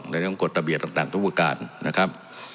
ดังนั้นก็ต้องกดตะเบียดต่างทุกประการนะครับ